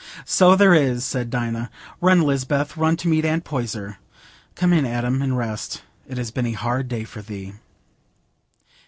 "So there is," said Dinah. "Run, Lisbeth, run to meet Aunt Poyser. Come in, Adam, and rest; it has been a hard day for thee."